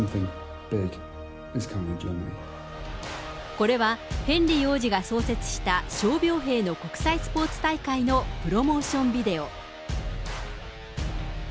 これは、ヘンリー王子が創設した傷病兵の国際スポーツ大会のプロモーションビデオ。